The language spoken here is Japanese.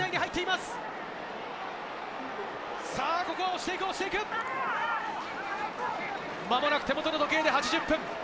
まもなく手元の時計で８０分。